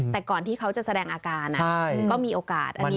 แต่ก่อนที่เขาจะแสดงอาการคลับก๊อมอดมีโอกาส